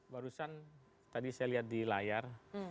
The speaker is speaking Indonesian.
barusan tadi saya lihat di layar